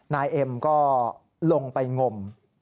นายเอ็มก็ลงไปงมในเบาะน้ำ